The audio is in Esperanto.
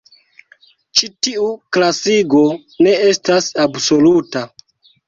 Ĉi tiu klasigo ne estas absoluta.